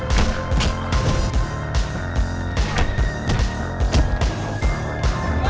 biar mereka lihat